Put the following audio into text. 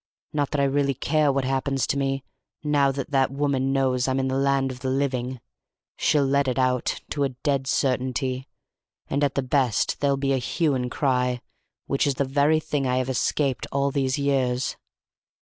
Not that I really care what happens to me now that that woman knows I'm in the land of the living; she'll let it out, to a dead certainty, and at the best there'll be a hue and cry, which is the very thing I have escaped all these years.